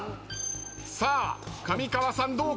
さあ上川さんどうか？